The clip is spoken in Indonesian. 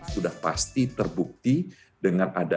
sudah pasti terbukti dengan adanya